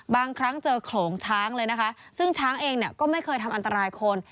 บางครั้งเจอโขลงช้างเลยนะคะซึ่งช้างเองเนี่ยก็ไม่เคยทำอันตรายคน